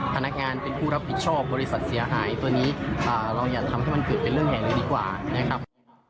พนักงานเป็นผู้รับผิดชอบบริษัทเสียหายตัวนี้เราอย่าทำให้มันเกิดเป็นเรื่องใหญ่เลยดีกว่านะครับ